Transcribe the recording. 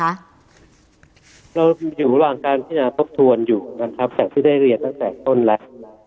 เราอยู่ระหว่างการพินาทบทวนอยู่นะครับจากที่ได้เรียนตั้งแต่ต้นแล้ว